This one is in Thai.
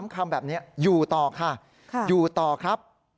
คำแบบนี้อยู่ต่อค่ะอยู่ต่อครับ